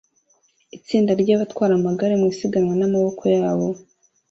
Itsinda ry'abatwara amagare mu isiganwa n'amaboko yabo